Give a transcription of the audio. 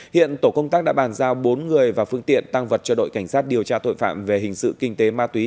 hiện tổ công tác đã bàn giao bốn người và phương tiện tăng vật cho đội cảnh sát điều tra tội phạm về hình sự kinh tế ma túy